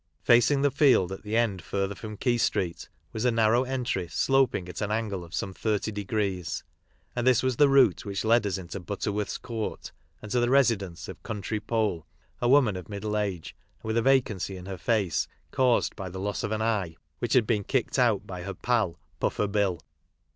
Facing the Field, at the end further from Quay street, was a narrow^ entry sloping at an angle of some 30°, and this was the route which led us iDto Butter worth's Court, and to the residence of Country Poll, a woman of middle age, and with a vacancy in her face, caused by the loss of an eye, which had been kicked out by her pal, " Puffer Bill."